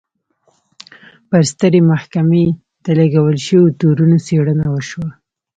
پر سترې محکمې د لګول شویو تورونو څېړنه وشوه.